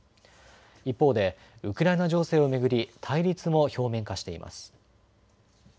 一方でウクライナ情勢を巡り対立も表面化しています。